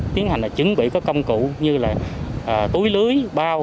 tiến hành chuẩn bị các công cụ như là túi lưới bao